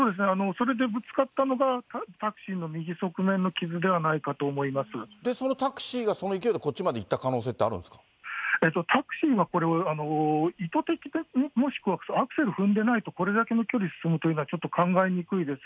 それでぶつかったのが、タクシーの右側面の傷でで、そのタクシーがその勢いでこっちまで行ったということはあるんでタクシーが、これは意図的で、もしくはアクセル踏んでないと、これだけの距離進むというのはちょっと考えにくいです。